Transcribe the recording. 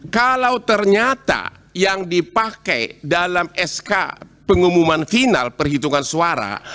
kalau ternyata yang dipakai dalam sk pengumuman final perhitungan suara